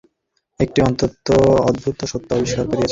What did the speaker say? একটি অত্যন্ত অদ্ভুত সত্য আবিষ্কার করিয়াছি।